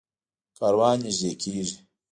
کاروان نږدې کېږي.